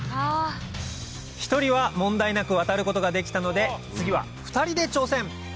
１人は問題なく渡ることができたので次は２人で挑戦！